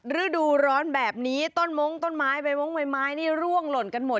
ฤดูร้อนแบบนี้ต้นมงต้นไม้ใบมงใบไม้นี่ร่วงหล่นกันหมด